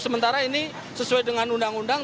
sementara ini sesuai dengan undang undang